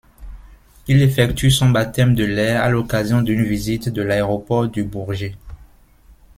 Il effectue son baptême de l'air à l'occasion d'une visite de l'aéroport du Bourget.